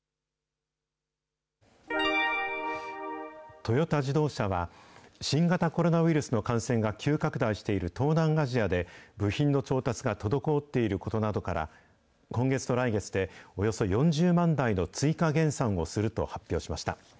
トヨタ自動車は、新型コロナウイルスの感染が急拡大している東南アジアで、部品の調達が滞っていることなどから、今月と来月でおよそ４０万台の追加減産をすると発表しました。